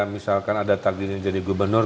misalkan ada takdirin jadi gubernur